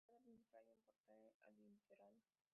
En la fachada principal hay un portal adintelado.